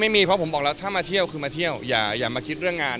ไม่มีเพราะผมบอกแล้วถ้ามาเที่ยวคือมาเที่ยวอย่ามาคิดเรื่องงาน